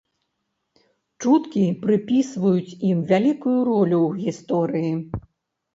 Чуткі прыпісваюць ім вялікую ролю ў гісторыі.